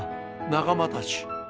仲間たち！